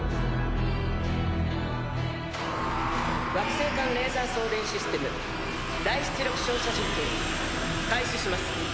惑星間レーザー送電システム大出力照射実験開始します。